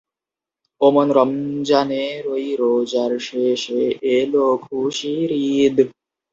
ও মন রমজানের ঐ রোজার শেষে এলো খুশির ঈদ।